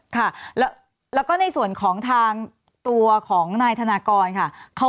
ค่ะแล้วก็ในส่วนของทางตัวของนายธนากรค่ะ